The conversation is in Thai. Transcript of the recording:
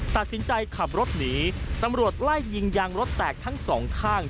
ตัดสินใจขับรถหนีตำรวจไล่ยิงยางรถแตกทั้งสองข้าง